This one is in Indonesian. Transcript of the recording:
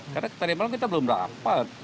karena dari malam kita belum dapat